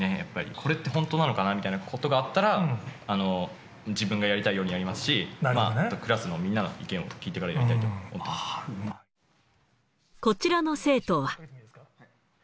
これって本当なのかなということがあったら、自分がやりたいようにやりますし、クラスのみんなの意見を聞いてからやりたいと思っこちらの生徒は。